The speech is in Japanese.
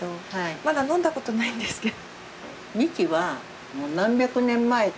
まだ飲んだことないんですけど。